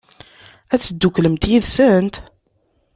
Ad tedduklemt yid-sent?